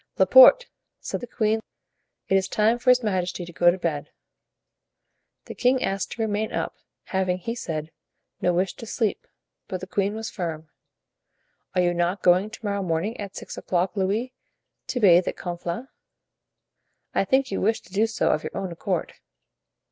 "Laporte," said the queen, "it is time for his majesty to go to bed." The king asked to remain up, having, he said, no wish to sleep; but the queen was firm. "Are you not going to morrow morning at six o'clock, Louis, to bathe at Conflans? I think you wished to do so of your own accord?"